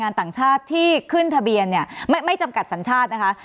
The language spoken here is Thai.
ต่างชาติที่ขึ้นทะเบียนเนี่ยไม่จำกัดสัญชาตินะคะ